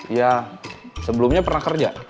ya sebelumnya pernah kerja